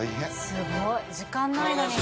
すごい時間ないのに。